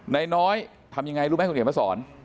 นายน้อยทำยังไงรู้ไหมคุณเห็นพระสร